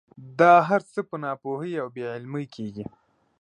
دا هر څه په ناپوهۍ او بې علمۍ کېږي.